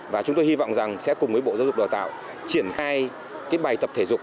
và chúng tôi hy vọng rằng sẽ cùng với bộ giáo dục đào tạo triển khai cái bài tập thể dục